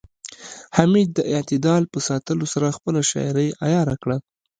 حمید د اعتدال په ساتلو سره خپله شاعرۍ عیاره کړه